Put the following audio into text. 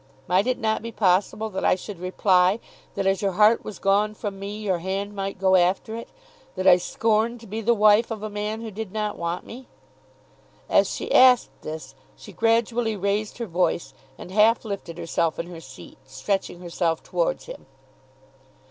Might it not be possible that I should reply that as your heart was gone from me, your hand might go after it; that I scorned to be the wife of a man who did not want me?" As she asked this she gradually raised her voice, and half lifted herself in her seat, stretching herself towards him.